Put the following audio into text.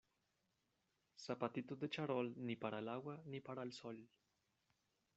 Zapatitos de charol, ni para el agua ni para el sol.